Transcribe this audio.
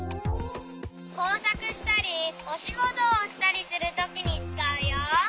こうさくしたりおしごとをしたりするときにつかうよ。